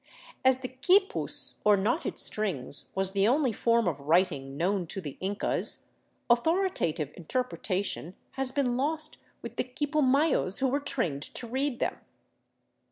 As the quipiis, or knotted strings, was the only form of writing known to the Incas, authoritative interpretation has been lost with the quipumayos who were trained to read them.